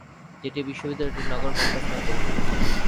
যেটি বিশ্ববিদ্যালয়টির নগর ক্যাম্পাস নামে পরিচিত।